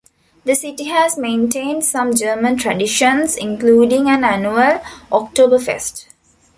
The city has maintained some German traditions, including an annual Oktoberfest.